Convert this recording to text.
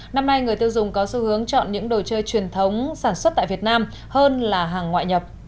năm nay người tiêu dùng có xu hướng chọn những đồ chơi truyền thống sản xuất tại việt nam hơn là hàng ngoại nhập